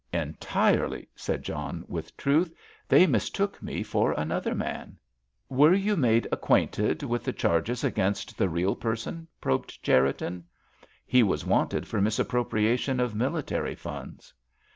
"Entirely," said John, with truth; "they mistook me for another man." "Were you made acquainted with the charges against the real person?" probed Cherriton. "He was wanted for misappropriation of military funds."